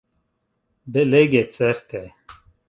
Belege, certe!